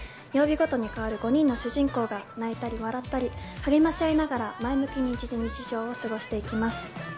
曜日ごとに変わる５人の主人公が泣いたり笑ったり、励まし合いながら前向きに日常を過ごしていきます。